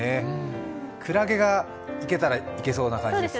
くらげがいけたら、いけそうな感じですね。